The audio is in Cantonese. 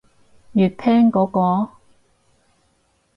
粵拼嗰個？